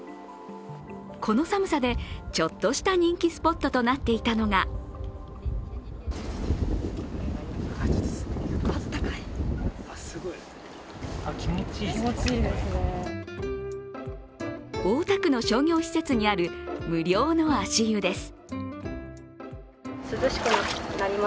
この寒さで、ちょっとした人気スポットとなっていたのが大田区の商業施設にある無料の足湯です。